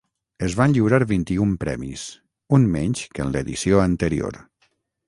Es van lliurar vint-i-un premis, un menys que en l'edició anterior.